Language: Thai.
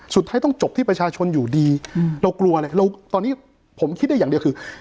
สุดท้ายต้องจบที่ประชาชนอยู่ดีเรากลัวเลยเราตอนนี้ผมคิดได้อย่างเดียวคือ